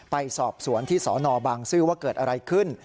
ไปสอบสวนที่สนบางซื่อว่าเกิดอะไรขึ้น